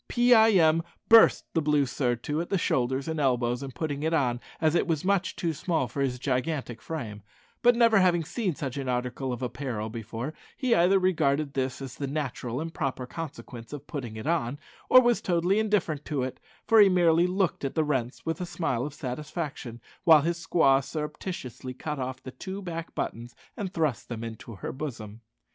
Pee eye em burst the blue surtout at the shoulders and elbows in putting it on, as it was much too small for his gigantic frame; but never having seen such an article of apparel before, he either regarded this as the natural and proper consequence of putting it on, or was totally indifferent to it, for he merely looked at the rents with a smile of satisfaction, while his squaw surreptitiously cut off the two back buttons and thrust them into her bosom.